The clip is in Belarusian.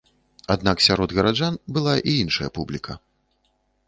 Аднак сярод гараджан была і іншая публіка.